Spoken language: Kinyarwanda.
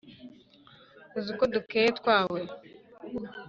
uzi ko dukeya twawe